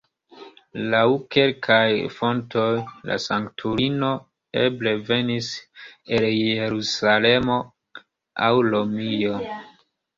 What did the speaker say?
Laŭ kelkaj fontoj, la sanktulino eble venis el Jerusalemo aŭ Romio.